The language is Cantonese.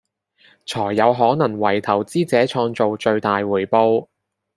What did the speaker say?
才有可能為投資者創造最大回報